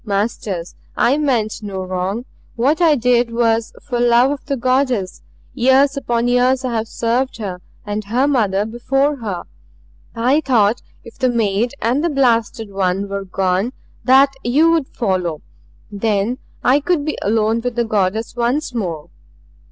"Masters I meant no wrong. What I did was for love of the Goddess. Years upon years I have served her. And her mother before her. "I thought if the maid and the blasted one were gone, that you would follow. Then I would be alone with the Goddess once more.